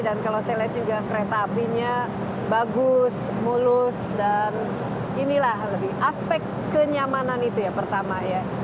dan kalau saya lihat juga kereta apinya bagus mulus dan inilah lebih aspek kenyamanan itu ya pertama ya